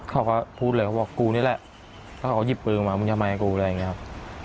เขาก็พูดเลยเขาบอกกูนี่แหละถ้าเขาหยิบปืนมามึงทำไมกูอะไรอย่างนี้ครับ